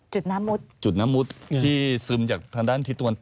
จุดน้ำมุดจุดน้ำมุดที่ซึมจากทางด้านทิศตะวัน